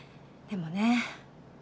でもね。